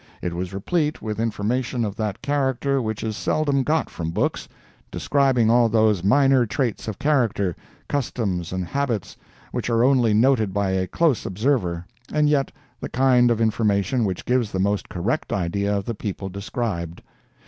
It was replete with information of that character which is seldom got from books, describing all those minor traits of character, customs and habits which are only noted by a close observer, and yet the kind of information which gives the most correct idea of the people described.